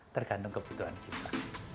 tergantung kebutuhan kita